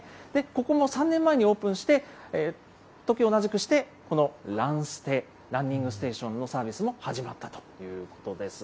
ここも３年前にオープンして、時を同じくして、このランステ・ランニングステーションのサービスも始まったということです。